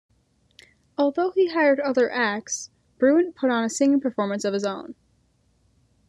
Although he hired other acts, Bruant put on a singing performance of his own.